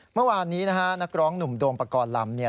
เมื่อวานนี้นะฮะนักร้องหนุ่มโดมปกรณ์ลำ